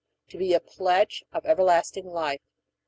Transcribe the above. To be a pledge of everlasting life.